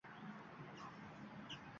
Jўƣi o'tish |